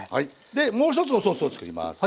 でもう一つおソースをつくります。